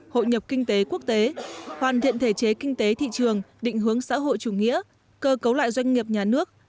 hội nhập kinh tế quốc tế hoàn thiện thể chế kinh tế thị trường định hướng xã hội chủ nghĩa cơ cấu lại doanh nghiệp nhà nước